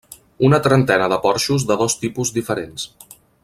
Una trentena de porxos de dos tipus diferents.